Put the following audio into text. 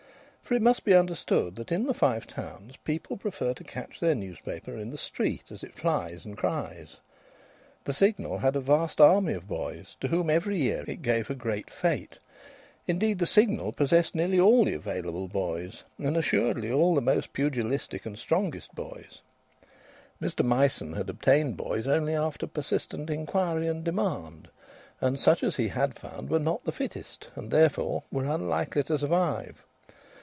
For it must be understood that in the Five Towns people prefer to catch their newspaper in the street as it flies and cries. The Signal had a vast army of boys, to whom every year it gave a great fête. Indeed, the Signal possessed nearly all the available boys, and assuredly all the most pugilistic and strongest boys. Mr Myson had obtained boys only after persistent inquiry and demand, and such as he had found were not the fittest, and therefore were unlikely to survive.